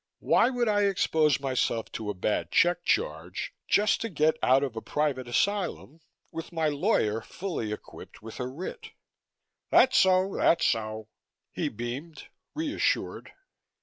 "Why would I expose myself to a bad check charge just to keep out of a private asylum with my lawyer fully equipped with a writ?" "That's so, that's so!" he beamed reassured.